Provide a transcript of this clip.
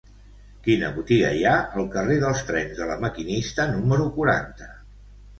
Quina botiga hi ha al carrer dels Trens de La Maquinista número quaranta?